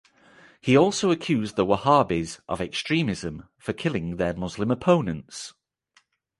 He also accused the Wahhabis of extremism for killing their Muslim opponents.